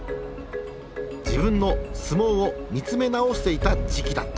自分の相撲を見つめ直していた時期だった。